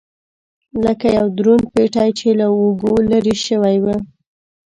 لکه یو دروند پېټی یې له اوږو لرې شوی و.